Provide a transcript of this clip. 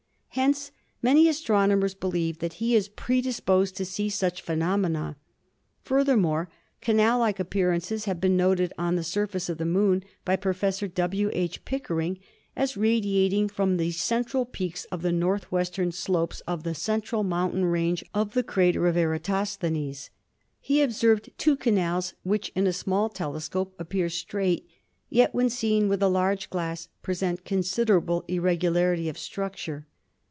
Hence many astronomers believe that he is predisposed to see such phenomena. Furthermore, canal like appearances have been noted on the surface of the Moon by Professor W. H. Pickering as radiating from the central peaks of the north western slopes of the central mountain range of the crater of Eratosthenes. Pie observed two canals which in a small telescope appear straight, yet, when seen with a large glass, present considerable irregularity of structtfre.